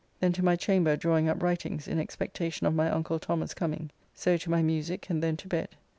Then to my chamber drawing up writings, in expectation of my uncle Thomas corning. So to my musique and then to bed.